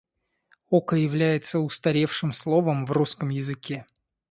Око является устаревшим словом в русском языке.